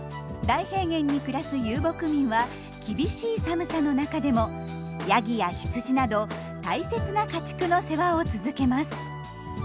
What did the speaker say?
大平原に暮らす遊牧民は厳しい寒さの中でもヤギやヒツジなど大切な家畜の世話を続けます。